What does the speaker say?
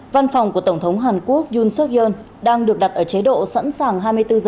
văn phòng của tổng thống hàn quốc yoon seok yoon đang được đặt ở chế độ sẵn sàng hai mươi bốn h